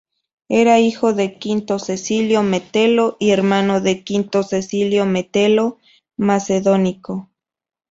Era hijo de Quinto Cecilio Metelo y hermano de Quinto Cecilio Metelo Macedónico.